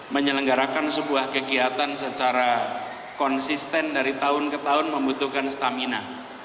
menyelenggarakan sebuah kegiatan secara konsisten dari tahun ke tahun membutuhkan stamina